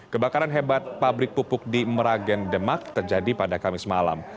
kebakaran hebat pabrik pupuk di meragen demak terjadi pada kamis malam